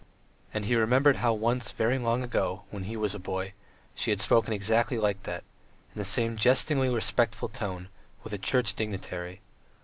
And he remembered how once very long ago, when he was a boy, she had spoken exactly like that, in the same jestingly respectful tone, with a Church dignitary.